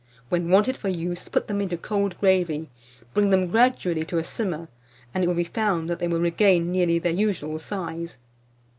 When wanted for use, put them into cold gravy, bring them gradually to simmer, and it will be found that they will regain nearly their usual size.